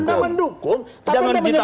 anda mendukung tapi tidak menyebut nama